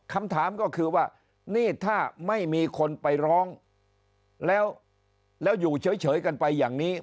คำถามก็คือว่านี่ถ้าไม่มีคนไปร้องแล้วอยู่เฉยกันไปอย่างนี้